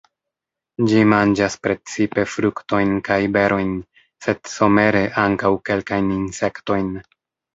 Ĝi manĝas precipe fruktojn kaj berojn, sed somere ankaŭ kelkajn insektojn.